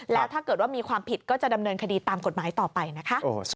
แล้วถ้าเกิดว่ามีความผิดก็จะดำเนินคดีตามกฎหมายต่อไปนะคะ